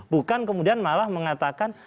bukan kemudian malah mengatakan